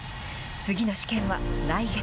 次の試験は来月。